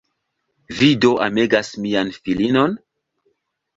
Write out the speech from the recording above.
Vi do amegas mian filinon?